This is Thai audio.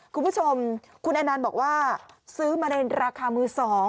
คุณผู้ชมคุณแอนันต์บอกว่าซื้อมาในราคามือ๒